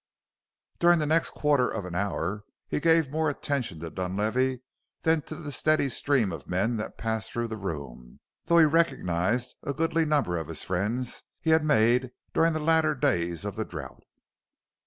During the next quarter of an hour he gave more attention to Dunlavey than to the steady stream of men that passed through the room, though he recognized a goodly number as friends he had made during the latter days of the drought.